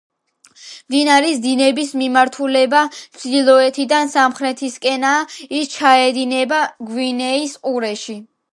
მდინარის დინების მიმართულება ჩრდილოეთიდან სამხრეთისკენაა; ის ჩაედინება გვინეის ყურეში.